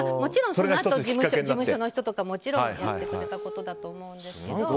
そのあと事務所の人とかもちろん、やってくれたことだと思うんですけど。